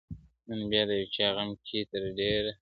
نن بيا د يو چا غم كي تر ډېــره پوري ژاړمه,